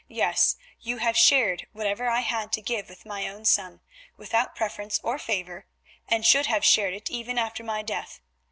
Yes, you have shared whatever I had to give with my own son, without preference or favour, and should have shared it even after my death.